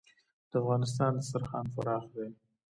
د افغانستان دسترخان پراخ دی